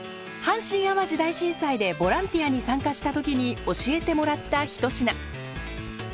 阪神・淡路大震災でボランティアに参加した時に教えてもらった一品。